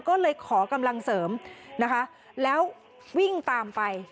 ก็เลยขอกำลังเสริมนะคะแล้ววิ่งตามไป